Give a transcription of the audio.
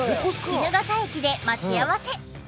衣笠駅で待ち合わせ。